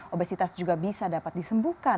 obesitas juga bisa dapat disembuhkan